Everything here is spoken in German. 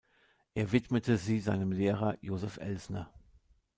Er widmete sie seinem Lehrer Joseph Elsner.